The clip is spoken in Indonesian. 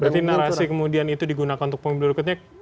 berarti narasi kemudian itu digunakan untuk pemilu berikutnya